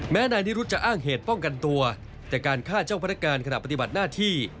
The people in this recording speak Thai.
นายนิรุธจะอ้างเหตุป้องกันตัวแต่การฆ่าเจ้าพนักงานขณะปฏิบัติหน้าที่